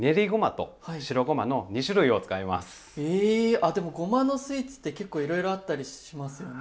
あでもごまのスイーツって結構いろいろあったりしますよね。